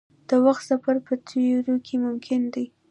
د وخت سفر په تیوري کې ممکن دی.